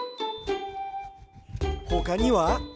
ほかには？